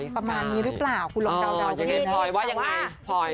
ประมาณนี้หรือเปล่าคุณลงเดาพอยังไงพอย